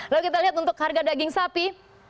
lalu kita lihat untuk harga daging sapi